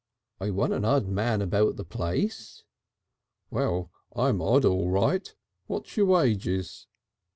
"I want an odd man about the place." "I'm odd, all right. What's your wages?"